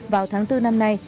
vào tháng bốn năm nay